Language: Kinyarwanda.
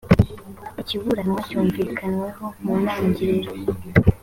ikiburanwa cyumvikanyweho mu ntangiriro